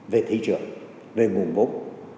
về thị trường về nguồn vốn